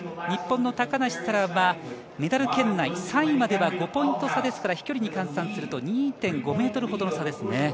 日本の高梨沙羅はメダル圏内、３位までは５ポイント差ですから飛距離に換算すると２．５ｍほどの差ですね。